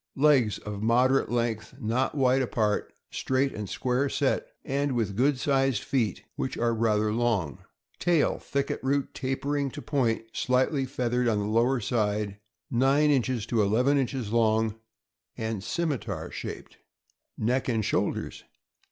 Legs. — Of moderate length, not wide apart, straight and square set, and with good sized feet, which are rather long. Tail. — Thick at root, tapering to point, slightly feath ered on lower side, nine inches to eleven inches long, and scimiter shaped. Neck and shoulders.